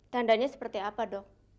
tandanya seperti apa dok